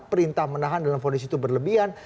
perintah menahan dalam fonis itu berlebihan